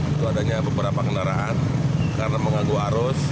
tidak adanya beberapa kendaraan karena mengaguh arus